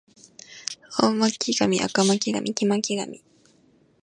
青巻紙赤巻紙黄巻紙